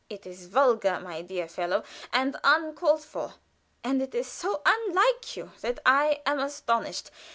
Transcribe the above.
It is vulgar, my dear fellow, and uncalled for; and it is so unlike you that I am astonished.